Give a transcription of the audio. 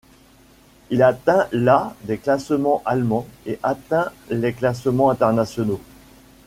Il atteint la des classements allemands, et atteint les classements internationaux.